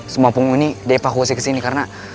semua penghuni di evakuasi kesini karena